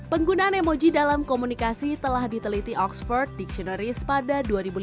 penggunaan emoji dalam komunikasi telah diteliti oxford dictionories pada dua ribu lima belas